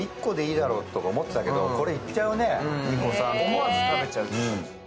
思わず食べちゃう。